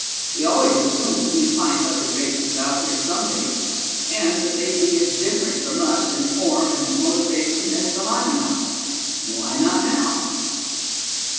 We always assumed that we'd find other races out here someday, and that they'd be as different from us in form and motivation as the Hymenops. Why not now?"